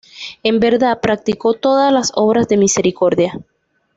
En verdad, practicó todas las obras de misericordia.